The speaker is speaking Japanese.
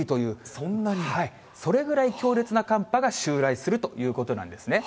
それぐらい強烈な寒波が襲来するということなんですね。